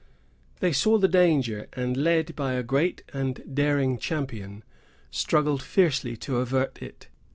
They saw the danger, and, led by a great and daring champion, struggled fiercely to avert it.